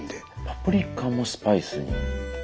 パプリカもスパイスに。